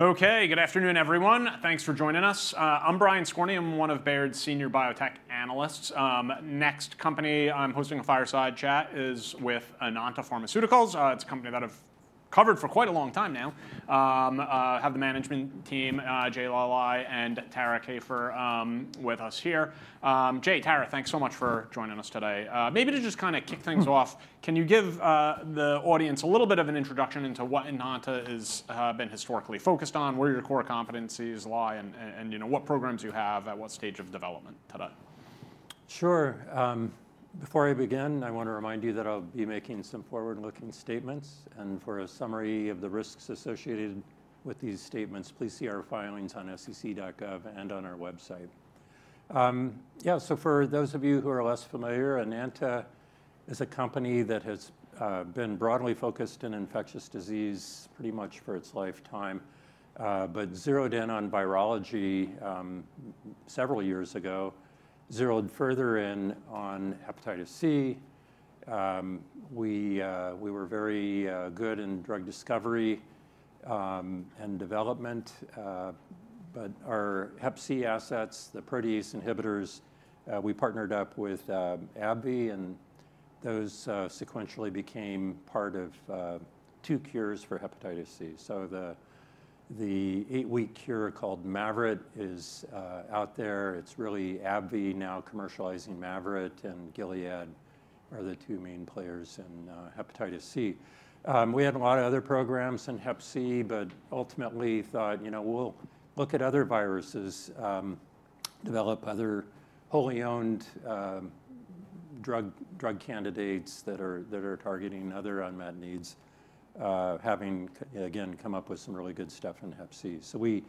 Okay, good afternoon, everyone. Thanks for joining us. I'm Brian Skorney. I'm one of Baird's senior biotech analysts. Next company I'm hosting a fireside chat is with Enanta Pharmaceuticals. It's a company that I've covered for quite a long time now. Have the management team, Jay Luly and Tara Kieffer, with us here. Jay, Tara, thanks so much for joining us today. Maybe to just kind of kick things off, can you give the audience a little bit of an introduction into what Enanta has been historically focused on, where your core competencies lie, and you know, what programs you have at what stage of development today? Sure. Before I begin, I want to remind you that I'll be making some forward-looking statements, and for a summary of the risks associated with these statements, please see our filings on SEC.gov and on our website. Yeah, so for those of you who are less familiar, Enanta is a company that has been broadly focused in infectious disease pretty much for its lifetime, but zeroed in on virology several years ago, zeroed further in on hepatitis C. We were very good in drug discovery and development, but our hep C assets, the protease inhibitors, we partnered up with AbbVie, and those sequentially became part of two cures for hepatitis C. So the eight-week cure called Mavyret is out there. It's really AbbVie now commercializing Mavyret and Gilead are the two main players in hepatitis C. We had a lot of other programs in hep C, but ultimately thought, you know, we'll look at other viruses, develop other wholly owned drug candidates that are targeting other unmet needs, having come up with some really good stuff in hep C. So we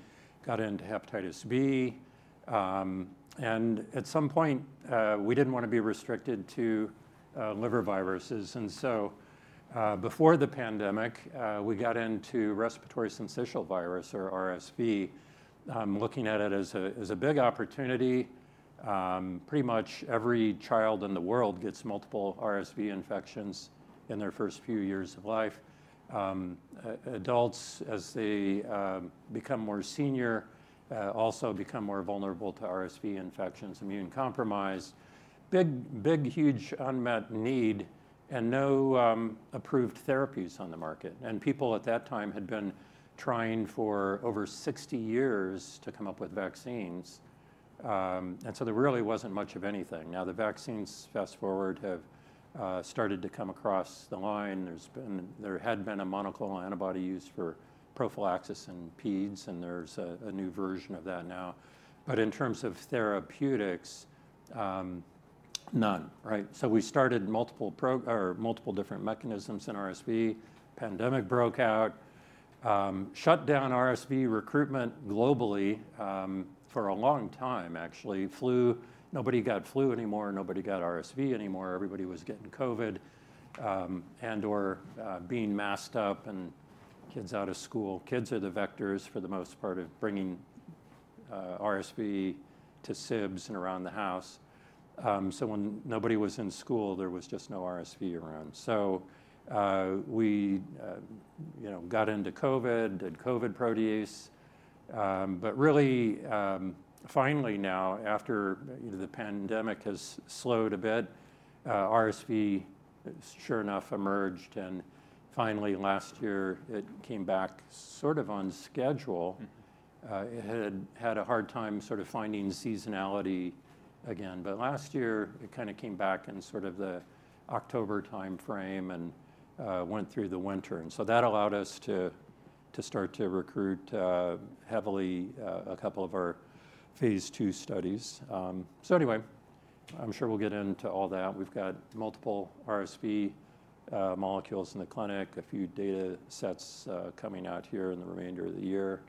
got into hepatitis B, and at some point, we didn't want to be restricted to liver viruses. And so, before the pandemic, we got into respiratory syncytial virus or RSV, looking at it as a big opportunity. Pretty much every child in the world gets multiple RSV infections in their first few years of life. Adults, as they become more senior, also become more vulnerable to RSV infections, immunocompromised. Big, big, huge, unmet need and no approved therapies on the market, people at that time had been trying for over sixty years to come up with vaccines, and so there really wasn't much of anything. Now, the vaccines, fast-forward, have started to come across the line. There had been a monoclonal antibody used for prophylaxis in PEDs, and there's a new version of that now, in terms of therapeutics, none, right? We started multiple or multiple different mechanisms in RSV. Pandemic broke out, shut down RSV recruitment globally, for a long time, actually. Flu, nobody got flu anymore, nobody got RSV anymore. Everybody was getting COVID, and/or being masked up and kids out of school. Kids are the vectors, for the most part, of bringing RSV to sibs and around the house, so when nobody was in school, there was just no RSV around, so we, you know, got into COVID, did COVID protease, but really, finally now, after the pandemic has slowed a bit, RSV, sure enough, emerged, and finally, last year, it came back sort of on schedule. Mm-hmm. It had had a hard time sort of finding seasonality again, but last year, it kind of came back in sort of the October time frame and, went through the winter, and so that allowed us to, to start to recruit, heavily, a couple of our phase II studies, so anyway, I'm sure we'll get into all that. We've got multiple RSV, molecules in the clinic, a few data sets, coming out here in the remainder of the year,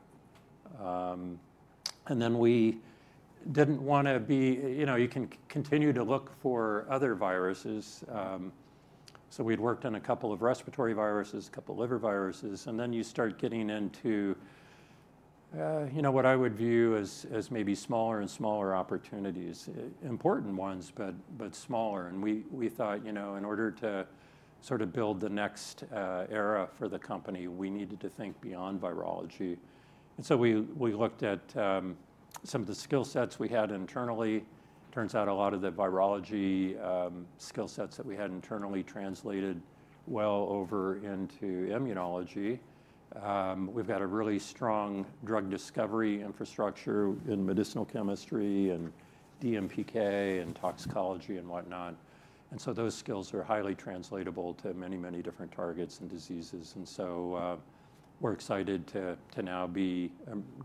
and then we didn't want to be. You know, you can continue to look for other viruses. So we'd worked on a couple of respiratory viruses, a couple of liver viruses, and then you start getting into, you know, what I would view as, as maybe smaller and smaller opportunities, important ones, but, but smaller. And we thought, you know, in order to sort of build the next era for the company, we needed to think beyond virology. And so we looked at some of the skill sets we had internally. Turns out a lot of the virology skill sets that we had internally translated well over into immunology. We've got a really strong drug discovery infrastructure in medicinal chemistry and DMPK and toxicology and whatnot, and so those skills are highly translatable to many, many different targets and diseases. And so, we're excited to now be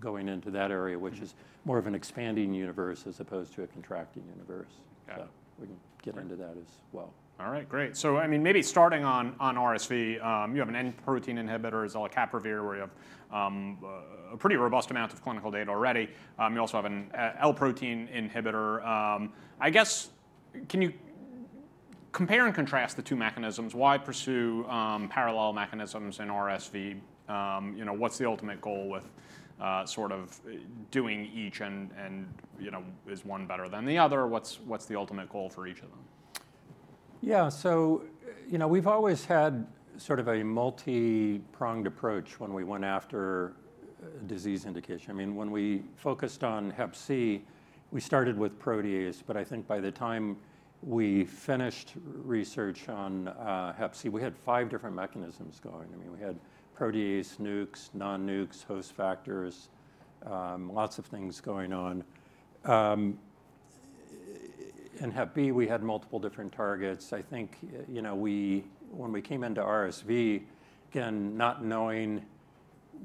going into that area- Mm-hmm Which is more of an expanding universe as opposed to a contracting universe. Got it. So we can get into that as well. All right, great. So, I mean, maybe starting on RSV, you have an N protein inhibitor, EDP-938, where you have a pretty robust amount of clinical data already. You also have an L protein inhibitor. I guess, can you compare and contrast the two mechanisms? Why pursue parallel mechanisms in RSV? You know, what's the ultimate goal with sort of doing each and, you know, is one better than the other? What's the ultimate goal for each of them? Yeah, so, you know, we've always had sort of a multipronged approach when we went after disease indication. I mean, when we focused on hep C, we started with protease, but I think by the time we finished research on hep C, we had five different mechanisms going. I mean, we had protease, nukes, non-nukes, host factors, lots of things going on. In hep B, we had multiple different targets. I think, you know, we, when we came into RSV, again, not knowing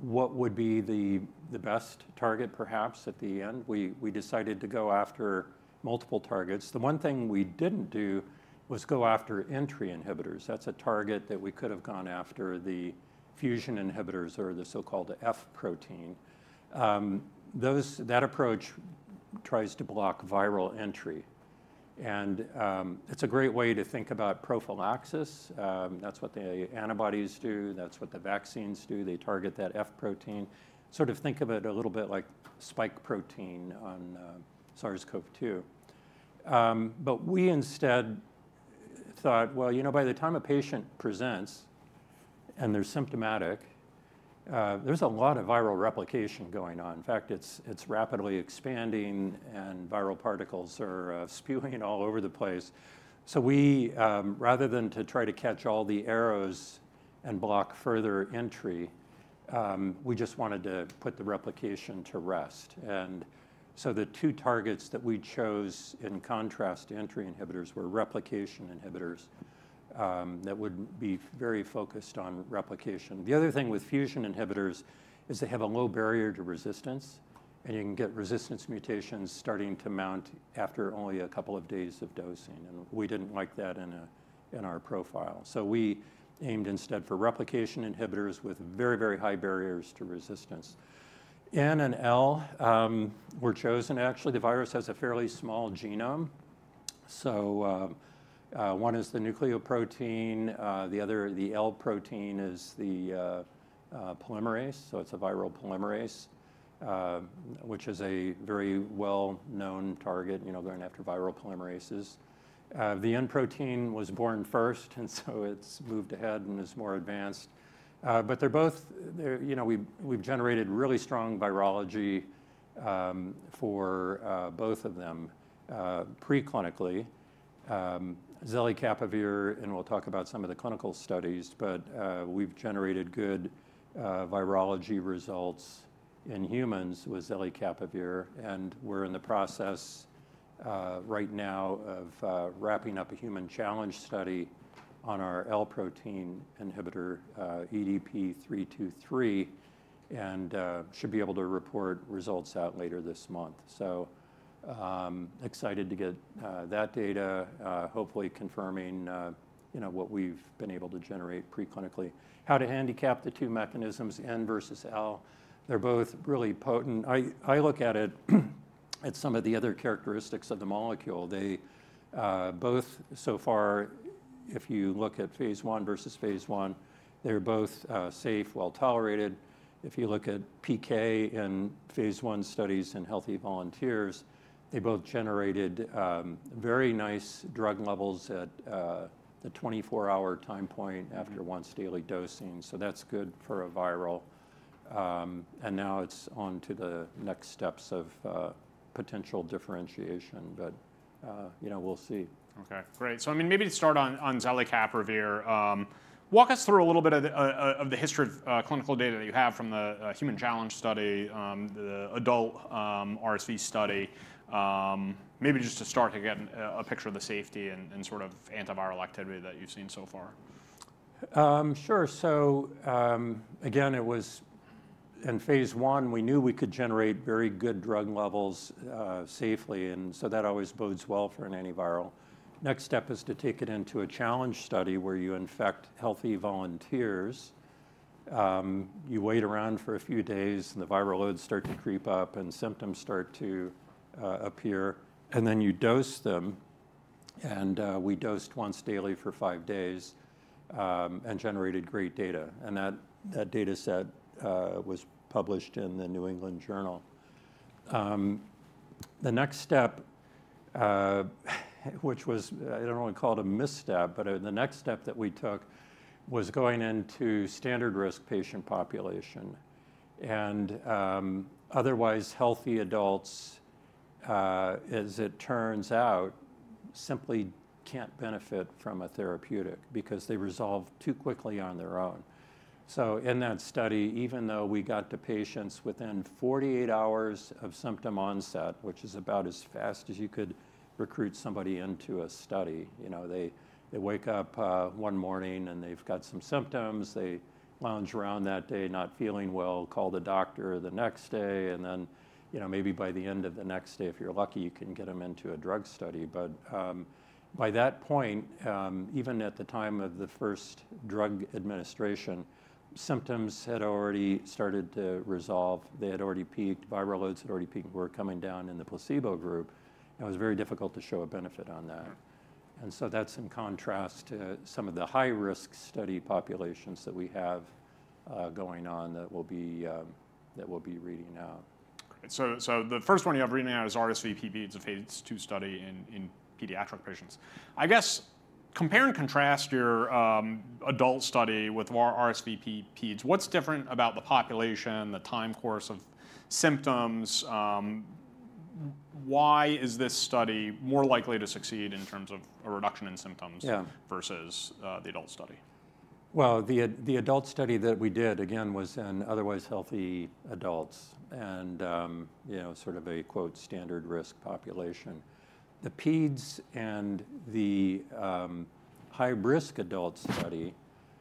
what would be the best target perhaps at the end, we decided to go after multiple targets. The one thing we didn't do was go after entry inhibitors. That's a target that we could have gone after, the fusion inhibitors or the so-called F protein. That approach tries to block viral entry, and it's a great way to think about prophylaxis. That's what the antibodies do, that's what the vaccines do. They target that F protein. Sort of think of it a little bit like spike protein on SARS-CoV-2. But we instead thought, well, you know, by the time a patient presents and they're symptomatic, there's a lot of viral replication going on. In fact, it's rapidly expanding, and viral particles are spewing all over the place. So we, rather than to try to catch all the arrows and block further entry, we just wanted to put the replication to rest. And so the two targets that we chose, in contrast to entry inhibitors, were replication inhibitors that would be very focused on replication. The other thing with fusion inhibitors is they have a low barrier to resistance, and you can get resistance mutations starting to mount after only a couple of days of dosing, and we didn't like that in our profile. So we aimed instead for replication inhibitors with very, very high barriers to resistance. N and L were chosen. Actually, the virus has a fairly small genome, so one is the nucleoprotein. The other, the L protein, is the polymerase, so it's a viral polymerase, which is a very well-known target, you know, going after viral polymerases. The N protein was born first, and so it's moved ahead and is more advanced. But they're both. They're, you know, we've generated really strong virology for both of them preclinically. Zelicapavir, and we'll talk about some of the clinical studies, but we've generated good virology results in humans with Zelicapavir, and we're in the process right now of wrapping up a human challenge study on our L protein inhibitor EDP-323, and should be able to report results out later this month. So, excited to get that data, hopefully confirming you know what we've been able to generate preclinically. How to handicap the two mechanisms, N versus L, they're both really potent. I look at it at some of the other characteristics of the molecule. They both so far, if you look at phase I versus phase I, they're both safe, well-tolerated. If you look at PK and phase I studies in healthy volunteers, they both generated very nice drug levels at the twenty-four-hour time point after once-daily dosing, so that's good for a viral. And now it's on to the next steps of potential differentiation. But you know, we'll see. Okay, great. So I mean, maybe to start on EDP-938, walk us through a little bit of the history of clinical data that you have from the human challenge study, the adult RSV study. Maybe just to start to get a picture of the safety and sort of antiviral activity that you've seen so far. Sure. So, again, it was in phase I. We knew we could generate very good drug levels, safely, and so that always bodes well for an antiviral. Next step is to take it into a challenge study, where you infect healthy volunteers. You wait around for a few days, and the viral loads start to creep up, and symptoms start to appear, and then you dose them. We dosed once daily for five days, and generated great data, and that data set was published in the New England Journal. The next step, which was, I don't want to call it a misstep, but, the next step that we took was going into standard risk patient population. Otherwise, healthy adults, as it turns out, simply can't benefit from a therapeutic because they resolve too quickly on their own. In that study, even though we got to patients within 48 hours of symptom onset, which is about as fast as you could recruit somebody into a study. You know, they wake up one morning, and they've got some symptoms. They lounge around that day, not feeling well, call the doctor the next day, and then, you know, maybe by the end of the next day, if you're lucky, you can get them into a drug study. By that point, even at the time of the first drug administration, symptoms had already started to resolve. They had already peaked. Viral loads had already peaked, were coming down in the placebo group, and it was very difficult to show a benefit on that. And so that's in contrast to some of the high-risk study populations that we have going on that we'll be reading out. Great. So the first one you have reading out is RSVPEDs. It's a phase II study in pediatric patients. I guess, compare and contrast your adult study with the RSVPEDs. What's different about the population, the time course of symptoms? Why is this study more likely to succeed in terms of a reduction in symptoms? Yeah -versus, the adult study? The adult study that we did, again, was in otherwise healthy adults, and you know, sort of a, quote, "standard risk population." The PEDs and the high-risk adult study,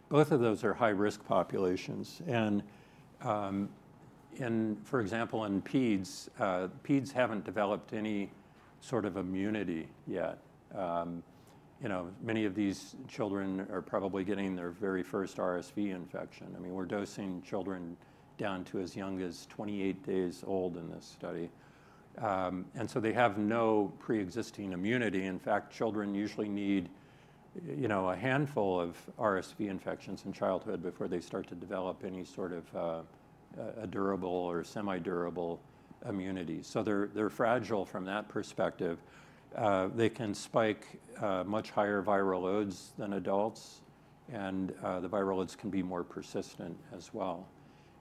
both of those are high-risk populations. And in, for example, in PEDs, PEDs haven't developed any sort of immunity yet. You know, many of these children are probably getting their very first RSV infection. I mean, we're dosing children down to as young as 28 days old in this study. And so they have no pre-existing immunity. In fact, children usually need, you know, a handful of RSV infections in childhood before they start to develop any sort of a durable or semi-durable immunity. So they're fragile from that perspective. They can spike much higher viral loads than adults, and the viral loads can be more persistent as well,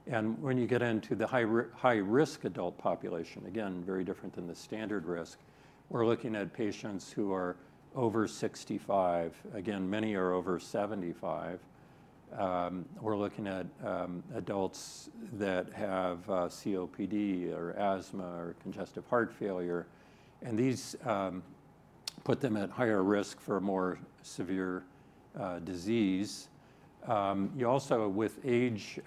and when you get into the high-risk adult population, again, very different than the standard risk, we're looking at patients who are over 65, again, many are over 75. We're looking at adults that have COPD or asthma or congestive heart failure, and these put them at higher risk for a more severe disease. You also, with age,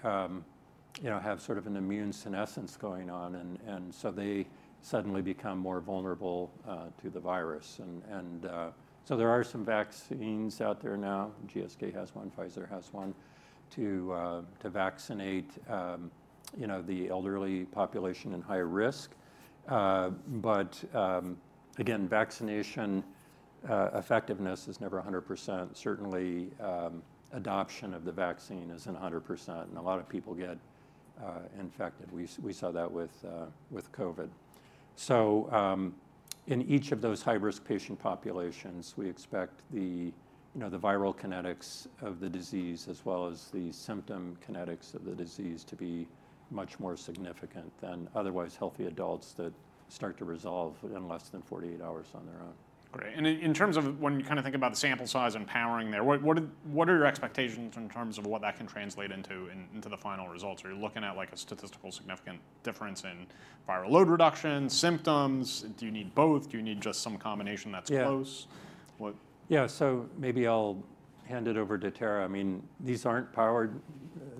you know, have sort of an immune senescence going on, and so they suddenly become more vulnerable to the virus. So there are some vaccines out there now. GSK has one. Pfizer has one, to vaccinate, you know, the elderly population at higher risk. But again, vaccination effectiveness is never 100%. Certainly, adoption of the vaccine isn't 100%, and a lot of people get infected. We saw that with COVID. In each of those high-risk patient populations, we expect the, you know, the viral kinetics of the disease, as well as the symptom kinetics of the disease, to be much more significant than otherwise healthy adults that start to resolve in less than 48 hours on their own. Great. And in terms of when you kind of think about the sample size and powering there, what are your expectations in terms of what that can translate into in the final results? Are you looking at, like, a statistically significant difference in viral load reduction, symptoms? Do you need both? Do you need just some combination that's close? Yeah. What- Yeah, so maybe I'll hand it over to Tara. I mean, these aren't powered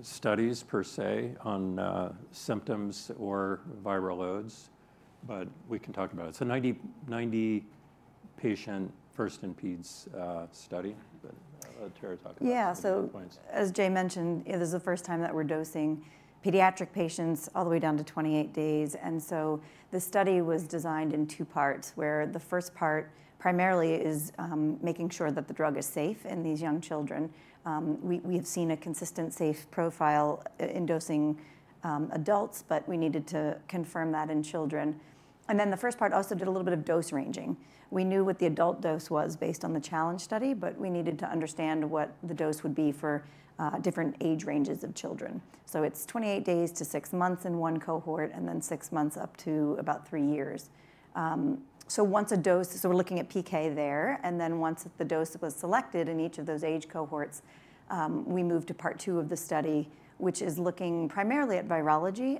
studies per se on symptoms or viral loads, but we can talk about it. It's a 90-patient first in PEDs study, but let Tara talk about it- Yeah - endpoints. So, as Jay mentioned, it is the first time that we're dosing pediatric patients all the way down to 28 days. And so the study was designed in two parts, where the first part primarily is making sure that the drug is safe in these young children. We have seen a consistent safe profile in dosing adults, but we needed to confirm that in children. And then the first part also did a little bit of dose ranging. We knew what the adult dose was based on the challenge study, but we needed to understand what the dose would be for different age ranges of children. So it's 28 days to six months in one cohort, and then six months up to about three years. So once a dose. So we're looking at PK there, and then once the dose was selected in each of those age cohorts, we moved to part two of the study, which is looking primarily at virology.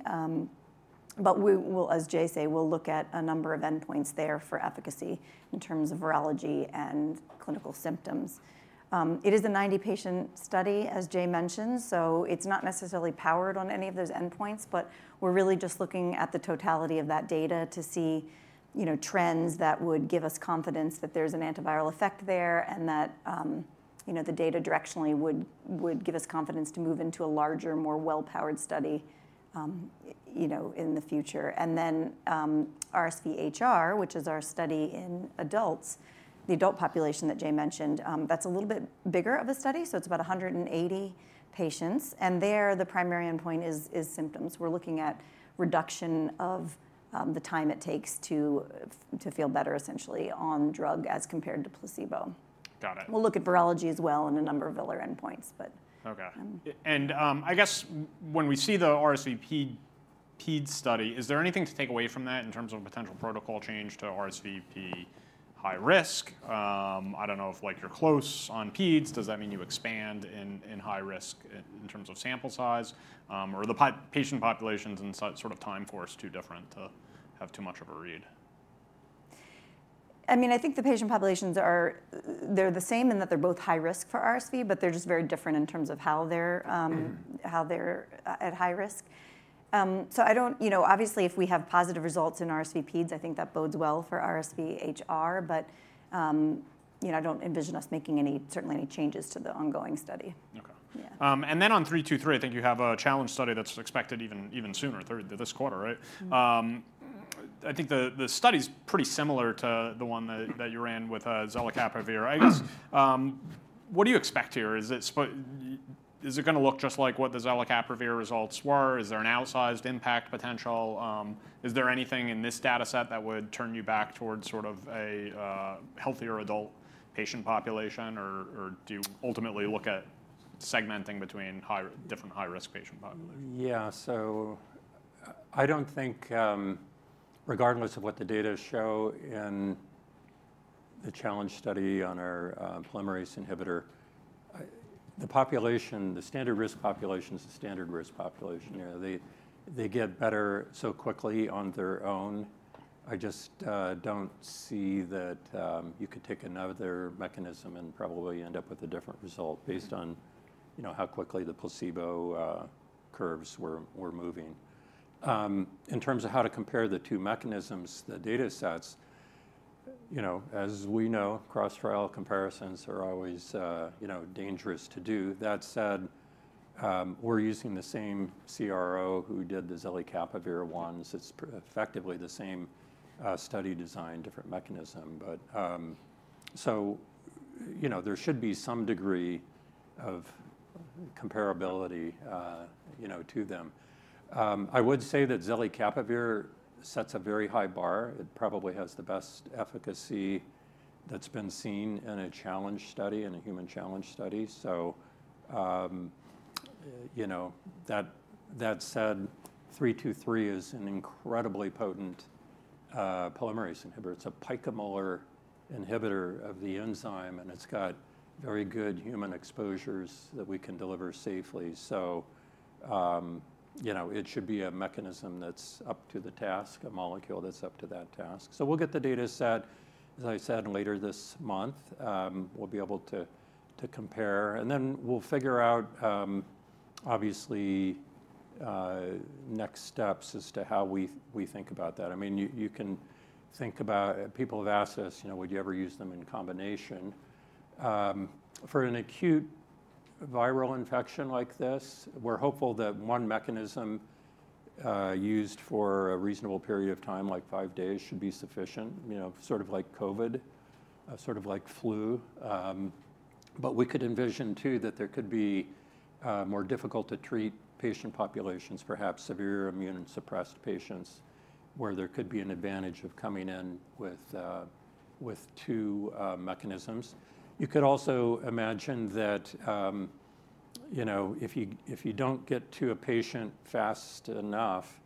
But we'll, as Jay say, we'll look at a number of endpoints there for efficacy in terms of virology and clinical symptoms. It is a 90-patient study, as Jay mentioned, so it's not necessarily powered on any of those endpoints, but we're really just looking at the totality of that data to see, you know, trends that would give us confidence that there's an antiviral effect there, and that, you know, the data directionally would give us confidence to move into a larger, more well-powered study, you know, in the future. And then, RSVHR, which is our study in adults, the adult population that Jay mentioned, that's a little bit bigger of a study, so it's about 180 patients. And there, the primary endpoint is symptoms. We're looking at reduction of the time it takes to feel better, essentially, on drug as compared to placebo. Got it. We'll look at virology as well and a number of other endpoints, but, Okay. Um... I guess when we see the RSVPEDs study, is there anything to take away from that in terms of a potential protocol change to RSVPEDs high risk? I don't know if, like, you're close on PEDs. Does that mean you expand in high risk in terms of sample size? Or are the patient populations and sort of time frames too different to have too much of a read? I mean, I think the patient populations are, they're the same in that they're both high risk for RSV, but they're just very different in terms of how they're, Mm-hmm How they're at high risk. So I don't. You know, obviously, if we have positive results in RSVPEDs, I think that bodes well for RSVHR, but, you know, I don't envision us making any, certainly any changes to the ongoing study. Okay. Yeah. And then on EDP-323, I think you have a challenge study that's expected even sooner, end of this quarter, right? Mm. I think the study's pretty similar to the one that you ran with Zelicapavir I guess, what do you expect here? Is it going to look just like what the Zelicapavir results were? Is there an outsized impact potential? Is there anything in this data set that would turn you back towards sort of a healthier adult patient population, or do you ultimately look at segmenting between high, different high-risk patient populations? Yeah. So I don't think, regardless of what the data show in the challenge study on our polymerase inhibitor, the population, the standard risk population is the standard risk population. You know, they get better so quickly on their own. I just don't see that you could take another mechanism and probably end up with a different result based on, you know, how quickly the placebo curves were moving. In terms of how to compare the two mechanisms, the data sets, you know, as we know, cross-trial comparisons are always, you know, dangerous to do. That said, we're using the same CRO who did the EDP-938 ones. It's effectively the same study design, different mechanism. But. So, you know, there should be some degree of comparability, you know, to them. I would say that Zelicapavir sets a very high bar. It probably has the best efficacy that's been seen in a challenge study, in a human challenge study. So, you know, that said, 323 is an incredibly potent polymerase inhibitor. It's a picomolar inhibitor of the enzyme, and it's got very good human exposures that we can deliver safely. So, you know, it should be a mechanism that's up to the task, a molecule that's up to that task. So we'll get the data set, as I said, later this month. We'll be able to compare, and then we'll figure out, obviously, next steps as to how we think about that. I mean, you can think about. People have asked us, you know, would you ever use them in combination? For an acute viral infection like this, we're hopeful that one mechanism used for a reasonable period of time, like five days, should be sufficient, you know, sort of like COVID, sort of like flu. But we could envision too that there could be more difficult-to-treat patient populations, perhaps severely immunocompromised patients, where there could be an advantage of coming in with two mechanisms. You could also imagine that, you know, if you don't get to a patient fast enough,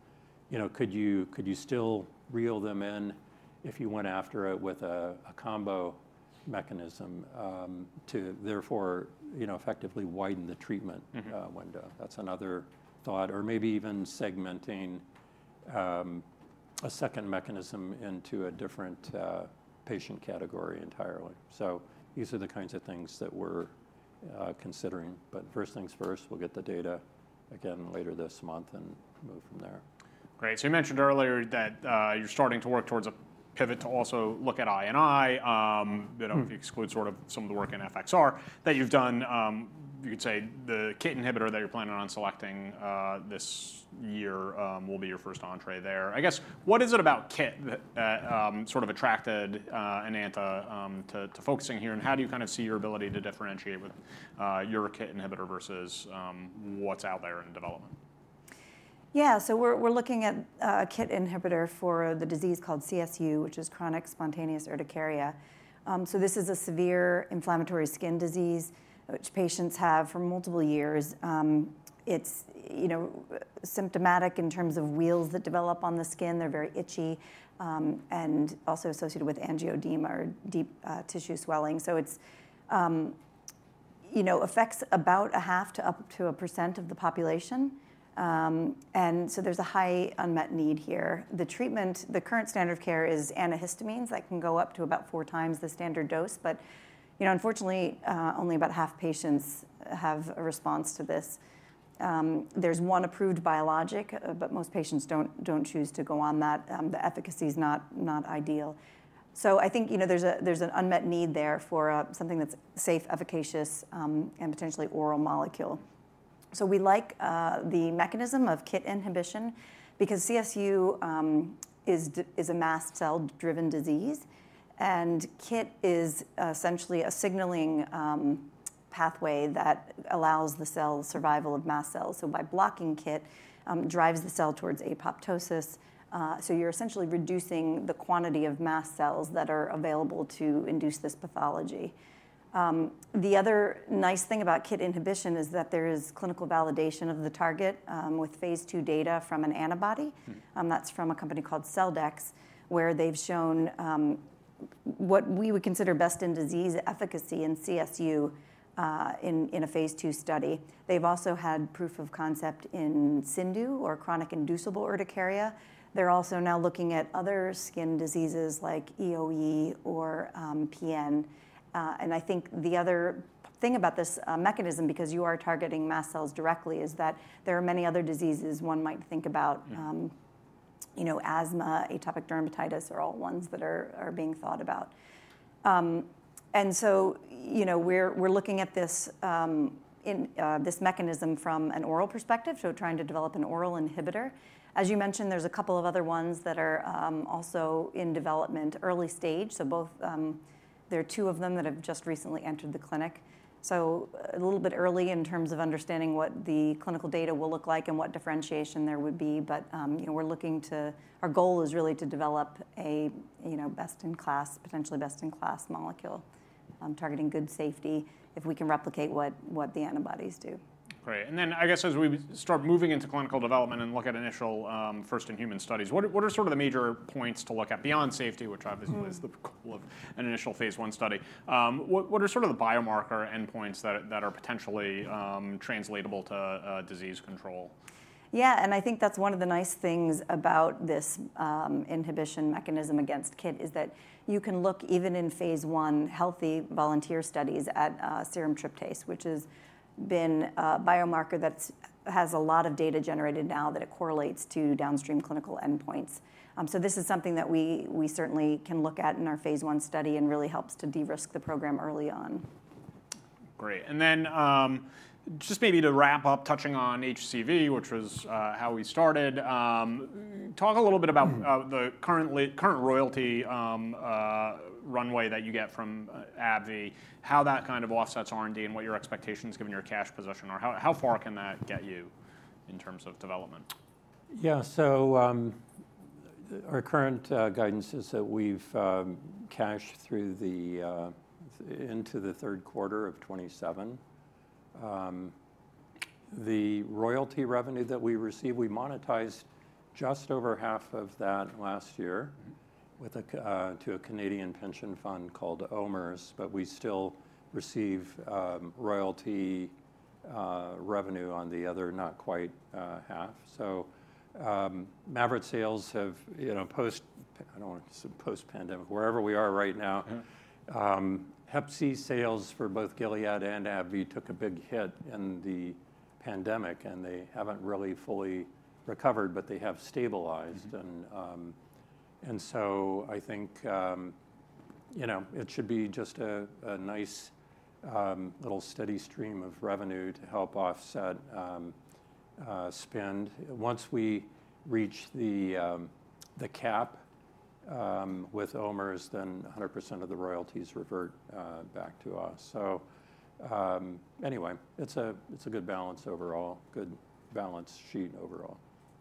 you know, could you still reel them in if you went after it with a combo mechanism to therefore, you know, effectively widen the treatment- Mm-hmm... window? That's another thought. Or maybe even segmenting a second mechanism into a different patient category entirely. So these are the kinds of things that we're considering. But first things first, we'll get the data again later this month and move from there. Great. So you mentioned earlier that you're starting to work towards a pivot to also look at INI. You know- Mm-hmm... if you exclude sort of some of the work in FXR that you've done, you could say the KIT inhibitor that you're planning on selecting this year will be your first entry there. I guess, what is it about KIT that sort of attracted Enanta to focusing here, and how do you kind of see your ability to differentiate with your KIT inhibitor versus what's out there in development? Yeah. So we're looking at a KIT inhibitor for the disease called CSU, which is chronic spontaneous urticaria. So this is a severe inflammatory skin disease which patients have for multiple years. It's, you know, symptomatic in terms of wheals that develop on the skin. They're very itchy, and also associated with angioedema or deep tissue swelling. So it's, you know, affects about 0.5%-1% of the population. And so there's a high unmet need here. The treatment, the current standard of care is antihistamines that can go up to about four times the standard dose. But, you know, unfortunately, only about half patients have a response to this. There's one approved biologic, but most patients don't choose to go on that. The efficacy is not ideal. So I think, you know, there's a, there's an unmet need there for, something that's safe, efficacious, and potentially oral molecule. So we like, the mechanism of KIT inhibition because CSU, is a mast cell-driven disease, and KIT is essentially a signaling, pathway that allows the cell survival of mast cells. So by blocking KIT, drives the cell towards apoptosis, so you're essentially reducing the quantity of mast cells that are available to induce this pathology. The other nice thing about KIT inhibition is that there is clinical validation of the target, with phase II data from an antibody. Mm-hmm. That's from a company called Celldex, where they've shown what we would consider best-in-disease efficacy in CSU in a phase II study. They've also had proof of concept in CIndU, or chronic inducible urticaria. They're also now looking at other skin diseases like EoE or PN. I think the other thing about this mechanism, because you are targeting mast cells directly, is that there are many other diseases one might think about. You know, asthma, atopic dermatitis are all ones that are being thought about. So, you know, we're looking at this mechanism from an oral perspective, so trying to develop an oral inhibitor. As you mentioned, there's a couple of other ones that are also in development, early stage. So both. There are two of them that have just recently entered the clinic, so a little bit early in terms of understanding what the clinical data will look like and what differentiation there would be, but, you know, we're looking to. Our goal is really to develop a, you know, best-in-class, potentially best-in-class molecule, targeting good safety if we can replicate what the antibodies do. Great. And then, I guess as we start moving into clinical development and look at initial first-in-human studies, what are sort of the major points to look at beyond safety, which obviously- Mm-hmm... is the goal of an initial phase I study? What are sort of the biomarker endpoints that are potentially translatable to disease control? Yeah, and I think that's one of the nice things about this inhibition mechanism against KIT, is that you can look even in phase I healthy volunteer studies at serum tryptase, which has been a biomarker that has a lot of data generated now that it correlates to downstream clinical endpoints. So this is something that we certainly can look at in our phase I study, and really helps to de-risk the program early on. Great. And then, just maybe to wrap up, touching on HCV, which was how we started, talk a little bit about. Mm The current royalty runway that you get from AbbVie, how that kind of offsets R&D, and what your expectations, given your cash position, are. How far can that get you in terms of development? Yeah, so, our current guidance is that we've cashed through to the third quarter of 2027. The royalty revenue that we received, we monetized just over half of that last year. Mm-hmm To a Canadian pension fund called OMERS, but we still receive royalty revenue on the other not quite half. So, Mavyret sales have, you know, post- I don't want to say post-pandemic, wherever we are right now- Mm-hmm Hep C sales for both Gilead and AbbVie took a big hit in the pandemic, and they haven't really fully recovered, but they have stabilized. Mm-hmm. I think you know it should be just a nice little steady stream of revenue to help offset spend. Once we reach the cap with OMERS, then 100% of the royalties revert back to us. Anyway, it's a good balance overall, good balance sheet overall.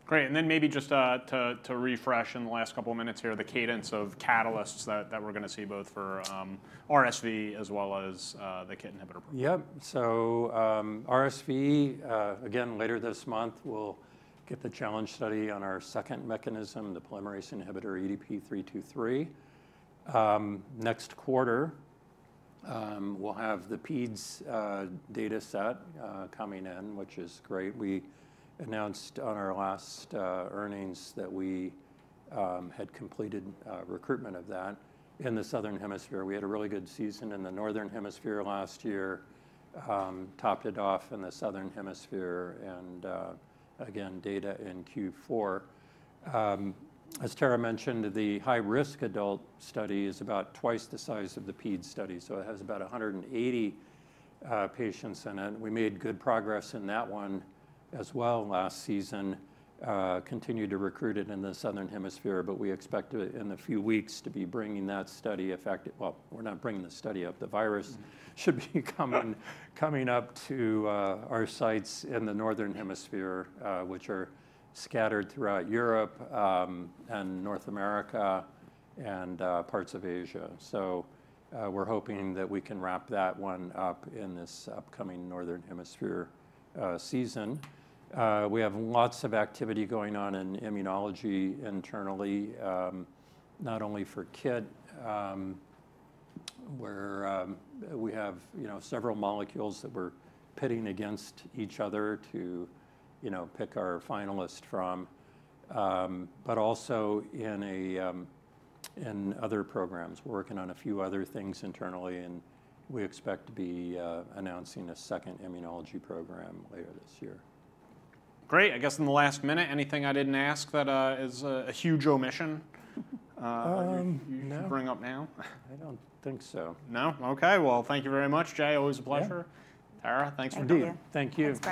Great. And then maybe just to refresh in the last couple of minutes here, the cadence of catalysts that we're going to see both for RSV as well as the KIT inhibitor. Yep. So RSV, again, later this month, we'll get the challenge study on our second mechanism, the polymerase inhibitor EDP-323. Next quarter, we'll have the PEDs data set coming in, which is great. We announced on our last earnings that we had completed recruitment of that in the Southern Hemisphere. We had a really good season in the Northern Hemisphere last year, topped it off in the Southern Hemisphere, and again, data in Q4. As Tara mentioned, the high-risk adult study is about twice the size of the PED study, so it has about 180 patients in it. We made good progress in that one as well last season, continued to recruit it in the Southern Hemisphere, but we expect to, in a few weeks, to be bringing that study effect. We're not bringing the study up. The virus should be coming up to our sites in the Northern Hemisphere, which are scattered throughout Europe, and North America, and parts of Asia. So we're hoping that we can wrap that one up in this upcoming Northern Hemisphere season. We have lots of activity going on in immunology internally, not only for KIT. We have you know several molecules that we're pitting against each other to you know pick our finalists from. But also in other programs, we're working on a few other things internally, and we expect to be announcing a second immunology program later this year. Great. I guess in the last minute, anything I didn't ask that is a huge omission. Um- You can bring up now? I don't think so. No? Okay. Well, thank you very much. Jay, always a pleasure. Yeah. Tara, thanks for coming. Thank you. Thank you. It's great.